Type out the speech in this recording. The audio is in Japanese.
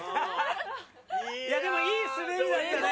いやでもいい滑りだったね。